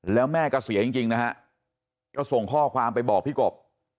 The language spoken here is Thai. แล้วแม่ก็เสียจริงนะฮะก็ส่งข้อความไปบอกพี่กบ